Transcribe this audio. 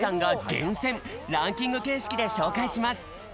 ランキング形式で紹介します。